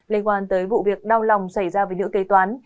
liên quan tới vụ việc đau lòng xảy ra với nữ kế toán